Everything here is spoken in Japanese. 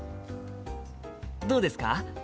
どうですか？